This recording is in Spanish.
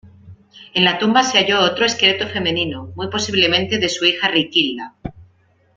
En la tumba se halló otro esqueleto femenino, muy posiblemente de su hija Riquilda.